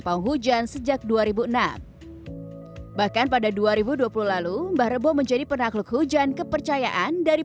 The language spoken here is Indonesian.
penghujan sejak dua ribu enam bahkan pada dua ribu dua puluh lalu mbah rebo menjadi penakluk hujan kepercayaan dari